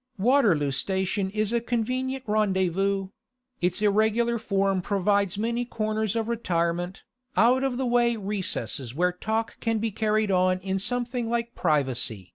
'? Waterloo Station is a convenient rendezvous; its irregular form provides many corners of retirement, out of the way recesses where talk can be carried on in something like privacy.